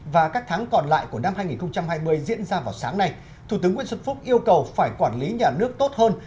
và các tháng còn lại của năm hai nghìn hai mươi diễn ra vào sáng nay thủ tướng nguyễn xuân phúc yêu cầu phải quản lý nhà nước tốt hơn